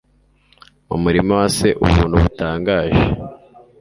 mu murima wa se ubuntu butangaje